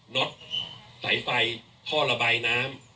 นดไฟย์ท่อระบายน้ำ